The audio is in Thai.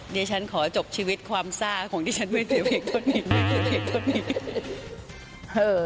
เดี๋ยวฉันขอจบชีวิตความซ่าของที่ฉันไม่เสียเพียงตัวนี้